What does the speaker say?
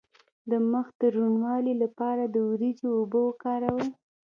د مخ د روڼوالي لپاره د وریجو اوبه وکاروئ